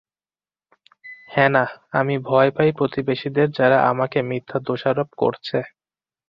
Hannah, আমি ভয় পাই প্রতিবেশীদের যারা আমাকে মিথ্যা দোষারোপ করছে।